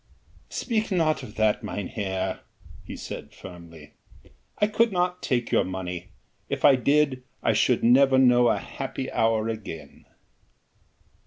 "Speak not of that, mynheer," he said firmly, "I could not take your money. If I did I should never know a happy hour again."